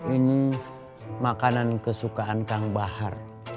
ini makanan kesukaan kang bahar